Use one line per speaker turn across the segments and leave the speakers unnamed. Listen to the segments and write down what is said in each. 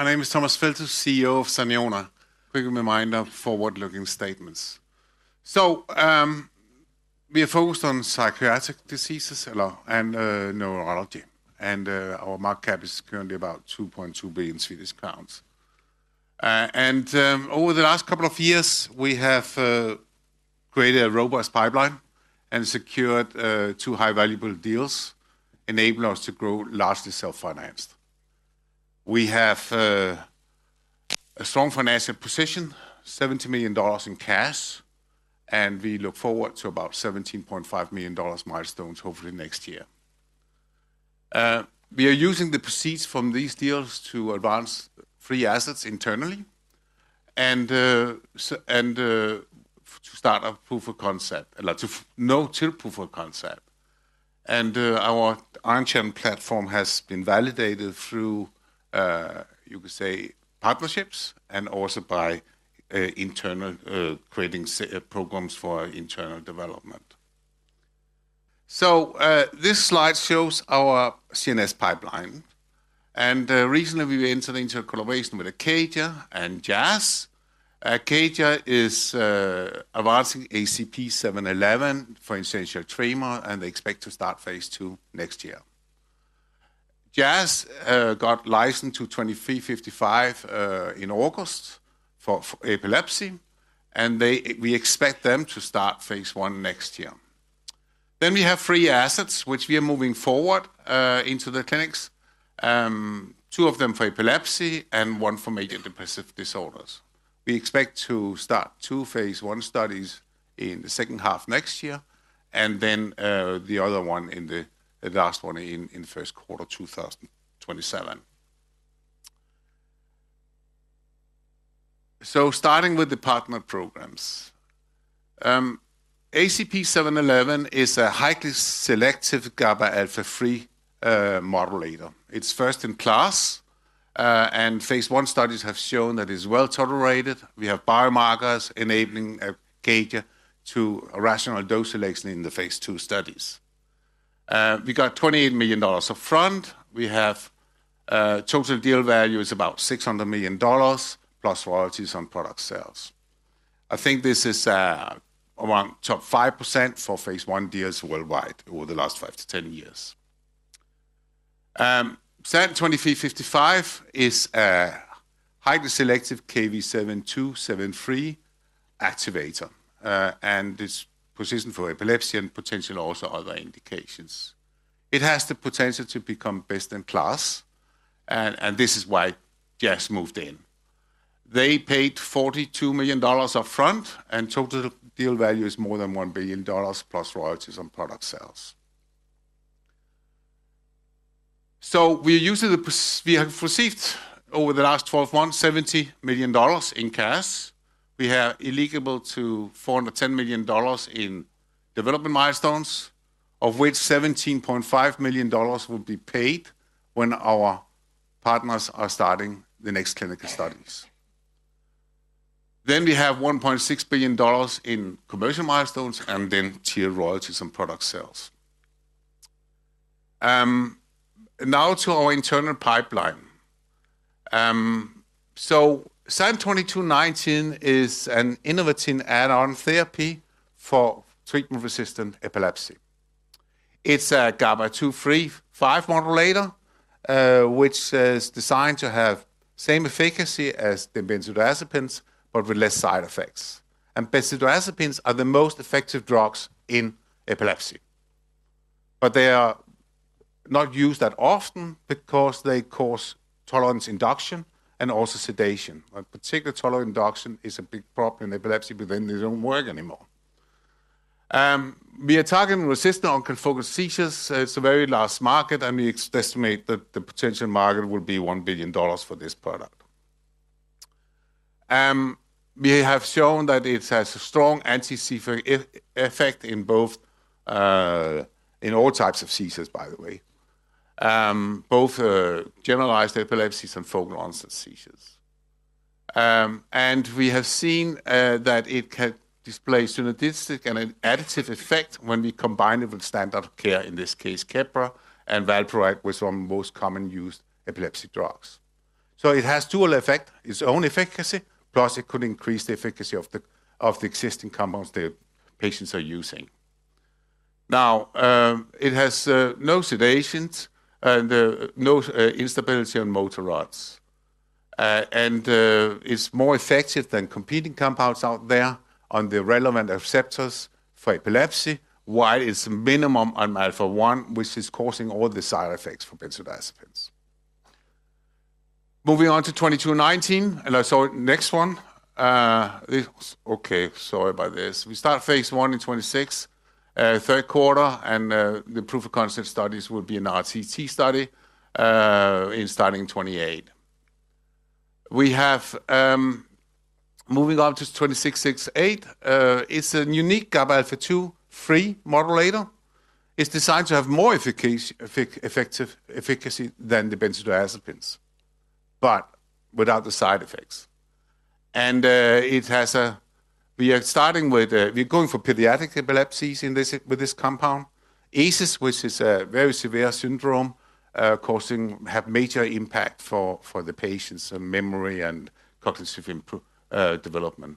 My name is Thomas Feldthus, CEO of Saniona. Quick reminder, forward-looking statements. We are focused on psychiatric diseases and neurology, and our market cap is currently about 2.2 billion Swedish crowns. Over the last couple of years, we have created a robust pipeline and secured two high-valuable deals enabling us to grow largely self-financed. We have a strong financial position, $70 million in cash, and we look forward to about $17.5 million milestones, hopefully next year. We are using the proceeds from these deals to advance free assets internally and to start a proof of concept, a lot of no-chill proof of concept. Our Iron Chain platform has been validated through, you could say, partnerships and also by creating programs for internal development. This slide shows our CNS pipeline, and recently we entered into a collaboration with Acadia and Jazz. Acadia is advancing SAN711 for essential tremor treatment and they expect to start phase two next year. Jazz got licensed SAN2355 in August for epilepsy, and we expect them to start phase one next year. Then we have three assets which we are moving forward into the clinics, two of them for epilepsy and one for major depressive disorders. We expect to start two phase one studies in the second half next year and the other one in the first quarter 2027. Starting with the partner programs, SAN711 is a highly selective GABA α3 modulator. It's first in class, and phase one studies have shown that it's well-tolerated. We have biomarkers enabling Acadia to rational dose selection in the phase two studies. We got $28 million upfront. The total deal value is about $600 million plus royalties on product sales. I think this is around top 5% for phase I deals worldwide over the last 5 to 10 years. SAN2355 is a highly selective KV7.2/3 activator, and it's positioned for epilepsy and potentially also other indications. It has the potential to become best in class, and this is why Jazz moved in. They paid $42 million upfront, and total deal value is more than $1 billion plus royalties on product sales. We have received over the last 12 months $70 million in cash. We have legal to $410 million in development milestones, of which $17.5 million will be paid when our partners are starting the next clinical studies. Then we have $1.6 billion in commercial milestones and then tiered royalties on product sales. Now to our internal pipeline. SAN2219 is an innovative add-on therapy for treatment-resistant epilepsy. It's a GABA α2/3/5 modulator, which is designed to have the same efficacy as the benzodiazepines but with less side effects. Benzodiazepines are the most effective drugs in epilepsy, but they are not used that often because they cause tolerance induction and also sedation. Particularly, tolerance induction is a big problem in epilepsy, but then they don't work anymore. We are targeting resistant onchophilic seizures. It's a very large market, and we estimate that the potential market will be $1 billion for this product. We have shown that it has a strong anti-seizure effect in both, in all types of seizures, by the way, both generalized epilepsies and focal onset seizures. We have seen that it can display a synergistic and an additive effect when we combine it with standard of care, in this case, Keppra and Valproate, which are most commonly used epilepsy drugs. It has dual effect, its own efficacy, plus it could increase the efficacy of the existing compounds the patients are using. It has no sedations and no instability on motor routes, and it is more effective than competing compounds out there on the relevant receptors for epilepsy, while it is minimal on alpha-1, which is causing all the side effects for benzodiazepines. Moving on to 2219, and I saw it, next one. Sorry about this. We start phase one in 2026, third quarter, and the proof of concept studies will be an RCT study, starting in 2028. Moving on to 2668, it is a unique GABA alpha-2/3 modulator. It is designed to have more effective efficacy than the benzodiazepines, but without the side effects. It has a, we are starting with, we're going for pediatric epilepsies in this with this compound, ACEs, which is a very severe syndrome, causing major impact for the patient's memory and cognitive improvement, development.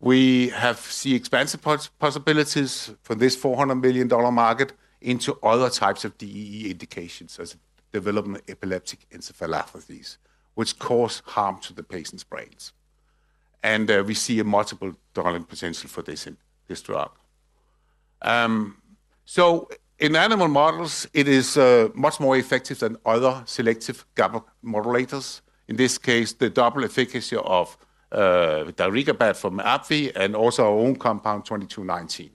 We have seen expansive possibilities for this $400 million market into other types of DEE indications as developmental epileptic encephalopathies, which cause harm to the patient's brains. We see a multiple dollar potential for this drug. In animal models, it is much more effective than other selective GABA modulators, in this case, the double efficacy of the regabet for MAPV and also our own compound 2219.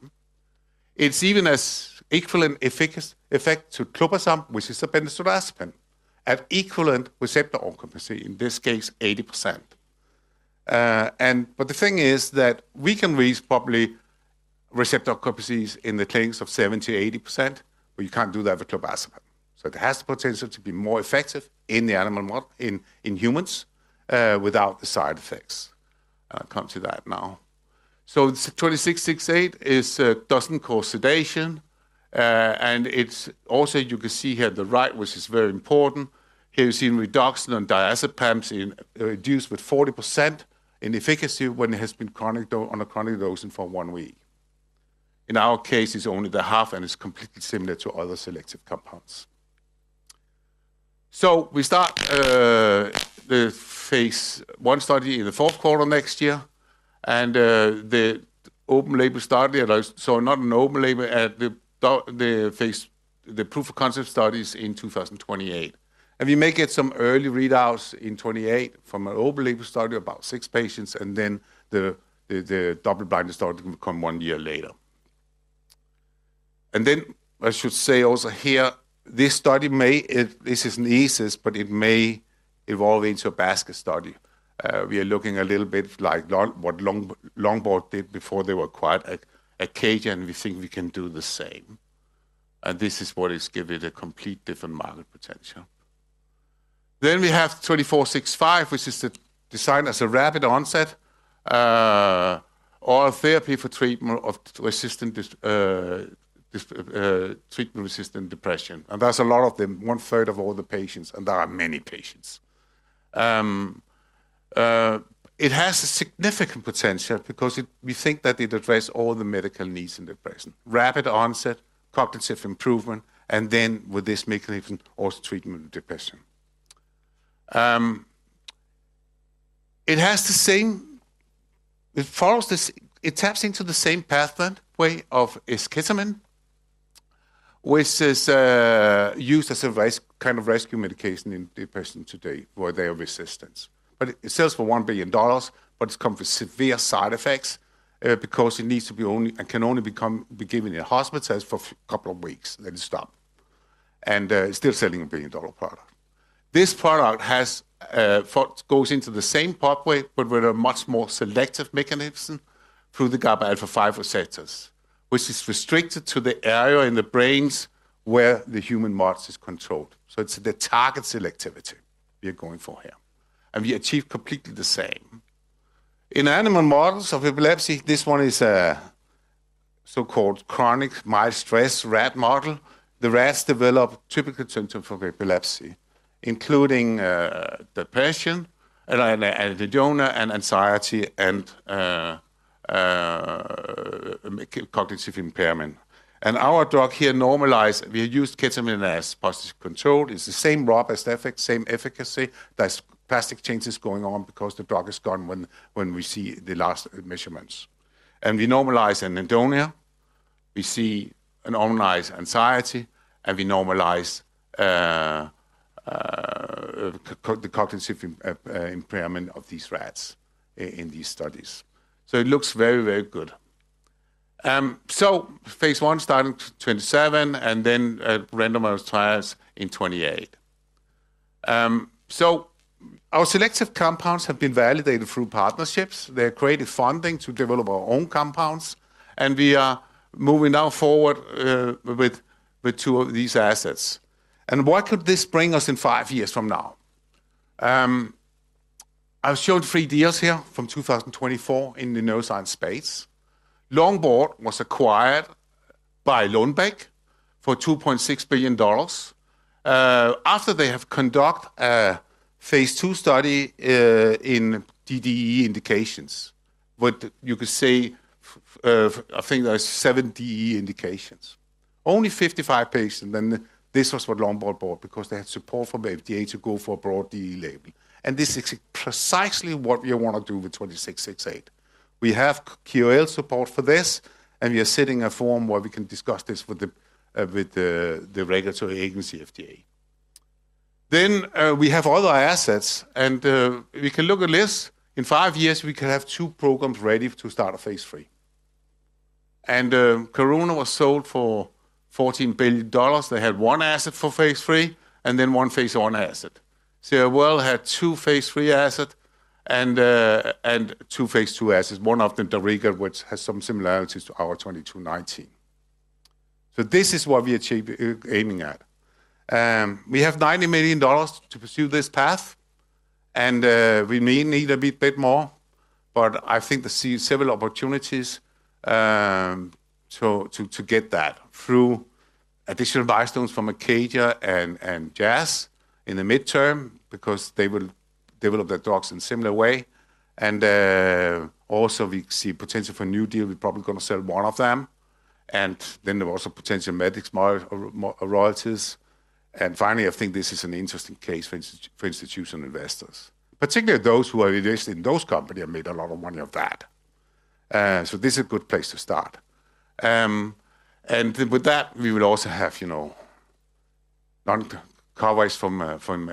It's even as equivalent efficacy effect to clobazam, which is a benzodiazepine, at equivalent receptor oncocapacity, in this case, 80%. The thing is that we can reach probably receptor occupancy in the clinics of 70%-80%, but you can't do that with clobazam. It has the potential to be more effective in the animal model and in humans, without the side effects. I'll come to that now. 2668 does not cause sedation, and also you can see here on the right, which is very important. Here you see reduction on diazepam is reduced with 40% in efficacy when it has been chronic on a chronic dosing for one week. In our case, it's only the half, and it's completely similar to other selective compounds. We start the phase one study in the fourth quarter next year, and the open label study that I saw, not an open label, the phase, the proof of concept studies in 2028. We may get some early readouts in 2028 from an open label study of about six patients, and then the double-blinded study can become one year later. I should say also here, this study may, this is an ACEs, but it may evolve into a basket study. We are looking a little bit like what Longboard did before they were acquired at Saniona, and we think we can do the same. This is what is giving it a complete different market potential. We have 2465, which is designed as a rapid onset, oral therapy for treatment-resistant depression. That is a lot of them, one third of all the patients, and there are many patients. It has a significant potential because it, we think that it addresses all the medical needs in depression, rapid onset, cognitive improvement, and then with this mechanism also treatment of depression. It has the same, it follows this, it taps into the same pathway of esketamine, which is used as a kind of rescue medication in depression today for their resistance. It sells for $1 billion, but it's come with severe side effects, because it needs to be only and can only be given in hospitals for a couple of weeks, then it stops. It's still selling a billion-dollar product. This product has, goes into the same pathway, but with a much more selective mechanism through the GABA α5 receptors, which is restricted to the area in the brains where the human mouse is controlled. It's the target selectivity we are going for here, and we achieve completely the same. In animal models of epilepsy, this one is a so-called chronic mild stress rat model. The rats develop typical symptoms of epilepsy, including depression, anhedonia, anxiety, and cognitive impairment. Our drug here normalized—we used ketamine as positive control. It's the same robust effect, same efficacy. There are plastic changes going on because the drug is gone when we see the last measurements. We normalize anhedonia. We see an organized anxiety, and we normalize the cognitive impairment of these rats in these studies. It looks very, very good. Phase one starting 2027, and then randomized trials in 2028. Our selective compounds have been validated through partnerships. They're creating funding to develop our own compounds, and we are moving now forward with two of these assets. What could this bring us in five years from now? I've shown three deals here from 2024 in the neuroscience space. Longboard was acquired by Lundbeck for $2.6 billion, after they have conducted a phase two study, in DEE indications. What you could say, I think there's seven DEE indications. Only 55 patients, and this was what Longboard bought because they had support from FDA to go for a broad DEE label. This is precisely what we want to do with 2668. We have QoL support for this, and we are sitting in a forum where we can discuss this with the regulatory agency FDA. We have other assets, and we can look at this. In five years, we could have two programs ready to start a phase three. Karuna was sold for $14 billion. They had one asset for phase three and then one phase one asset. Sierra Well had two phase three assets and two phase two assets, one of them Darriga, which has some similarities to our 2219. This is what we achieve aiming at. We have $90 million to pursue this path, and we may need a bit more, but I think there are several opportunities to get that through additional milestones from Acadia and Jazz in the midterm because they will develop their drugs in a similar way. We also see potential for new deals. We're probably going to sell one of them. There were also potential Medix royalties. Finally, I think this is an interesting case for institutional investors, particularly those who are invested in those companies and made a lot of money off that. This is a good place to start. With that, we will also have, you know, non-coverage from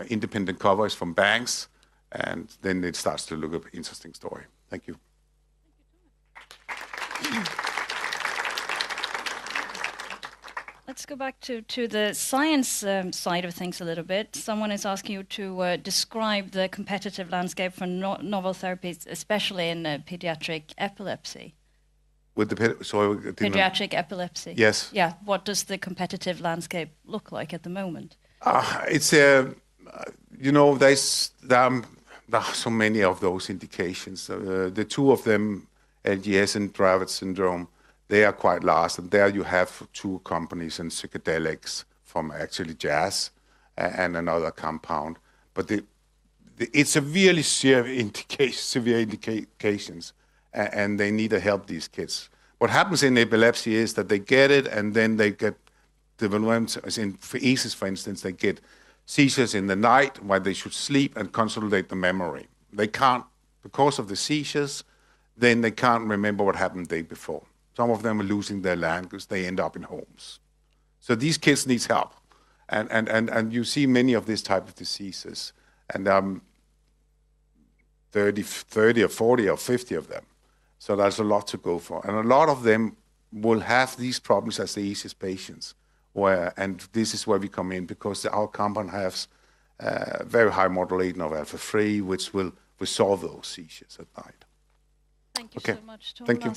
independent coverage from banks, and then it starts to look up an interesting story. Thank you. Thank you too. Let's go back to the science side of things a little bit. Someone is asking you to describe the competitive landscape for novel therapies, especially in the pediatric epilepsy. With the pediatric epilepsy. Yes. Yeah. What does the competitive landscape look like at the moment? It's a, you know, there are so many of those indications. The two of them, Lennox-Gastaut syndrome and Dravet syndrome, they are quite large, and there you have two companies and psychedelics from actually Jazz and another compound. It's a really severe indications, and they need to help these kids. What happens in epilepsy is that they get it, and then they get development in ACEs, for instance, they get seizures in the night when they should sleep and consolidate the memory. They can't, because of the seizures, then they can't remember what happened the day before. Some of them are losing their land because they end up in homes. These kids need help. You see many of these types of diseases, and there are 30 or 40 or 50 of them. There is a lot to go for. A lot of them will have these problems as the ACEs patients. This is where we come in because our compound has a very high modulating of alpha-3, which will resolve those seizures at night. Thank you so much too.